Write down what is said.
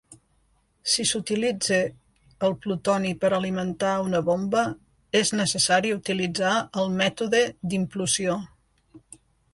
Si s'utilitza el plutoni per alimentar una bomba, és necessari utilitzar el mètode d'implosió.